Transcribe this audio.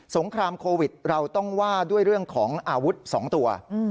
งครามโควิดเราต้องว่าด้วยเรื่องของอาวุธ๒ตัว